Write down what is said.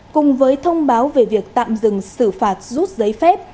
cùng với thông báo về việc tạm dừng xử phạt rút giấy phép